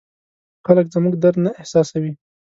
خلک زموږ درد نه احساسوي.